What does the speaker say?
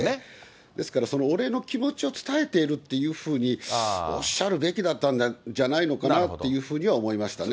ですから、そのお礼の気持ちを伝えているというふうにおっしゃるべきだったんじゃないのかなというふうに思いましたね。